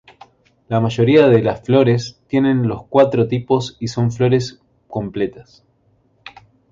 La mayoría de las flores tienen los cuatro tipos y son flores completas.